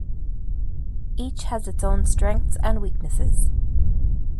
Each has its own strengths and weaknesses.